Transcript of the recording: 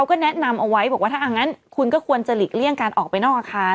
ก็แนะนำเอาไว้บอกว่าถ้างั้นคุณก็ควรจะหลีกเลี่ยงการออกไปนอกอาคาร